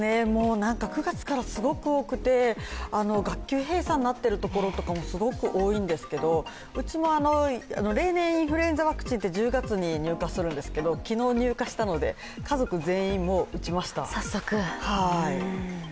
９月からすごく多くて学級閉鎖になっているところもすごく多いんですけどうちも例年、インフルエンザワクチンは１０月に入荷するんですけど昨日入荷したので、家族全員もう打ちました。